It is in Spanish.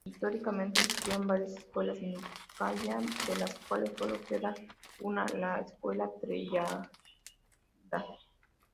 Históricamente existieron varias escuelas Nikaya, de las cuales solo queda una, la escuela Theravāda.